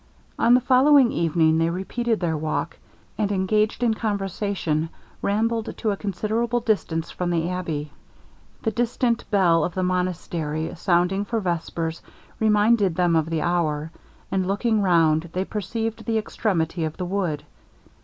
On the following evening they repeated their walk; and, engaged in conversation, rambled to a considerable distance from the abbey. The distant bell of the monastery sounding for vespers, reminded them of the hour, and looking round, they perceived the extremity of the wood.